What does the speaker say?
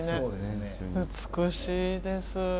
美しいです。